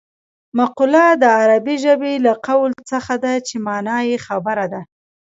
مقوله د عربي ژبې له قول څخه ده چې مانا یې خبره ده